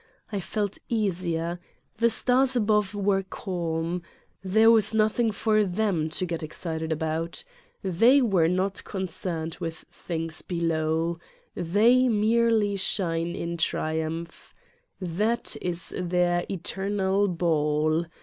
I felt easier. The stars above were calm. There was nothing for them to get excited about. They were not concerned with things below. They merely shine in triumph. That is their eternal ball.